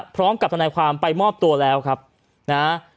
พร้อมกับสนัยความไปมอบตัวแล้วครับนะฮะ